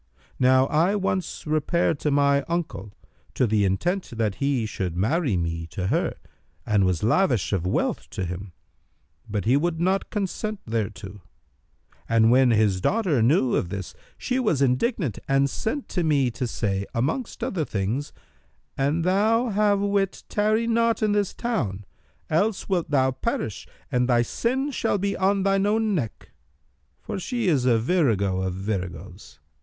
Now I once repaired to my uncle, to the intent that he should marry me to her, and was lavish of wealth to him; but he would not consent thereto: and when his daughter knew of this she was indignant and sent to me to say, amongst other things, 'An thou have wit, tarry not in this town; else wilt thou perish and thy sin shall be on thine own neck.[FN#305]' For she is a virago of viragoes.